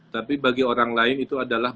tapi bagi orang lain itu adalah